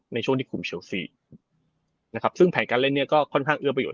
ในช่วงที่คุมเชลซีนะครับซึ่งแผนการเล่นเนี่ยก็ค่อนข้างเอื้อประโยชน